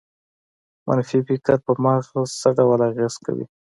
منفي فکر په مغز څه ډول اغېز کوي؟